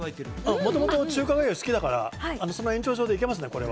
もともと中華粥好きだから、その延長線上で行けますね。